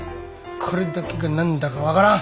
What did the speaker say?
これだけが何だか分からん！